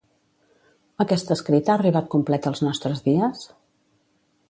Aquest escrit ha arribat complet als nostres dies?